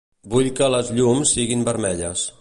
Vull que les llums siguin vermelles.